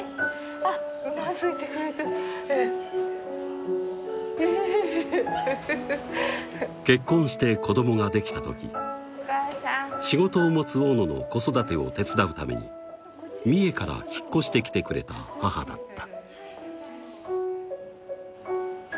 あっ結婚して子供ができた時仕事を持つ大野の子育てを手伝うために三重から引っ越してきてくれた母だった